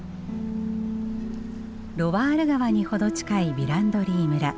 ロワール川に程近いヴィランドリー村。